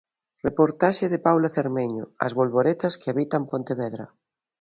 Reportaxe de Paula Cermeño, 'As bolboretas que habitan Pontevedra'.